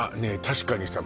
確かにさ